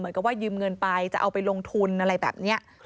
เหมือนกับว่ายืมเงินไปจะเอาไปลงทุนอะไรแบบนี้